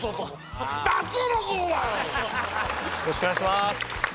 よろしくお願いします